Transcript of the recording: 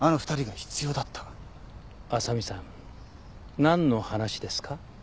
浅見さん何の話ですか？